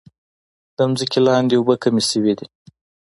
د ځمکې لاندې اوبه کمې شوي دي.